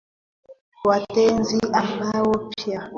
Wategi ambao pia huitwa Abhathegi maarufu kama Abhagirango Waugu Ugu